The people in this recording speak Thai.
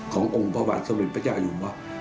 ขององค์พระบาทสมุทรประชาอยู่ว่า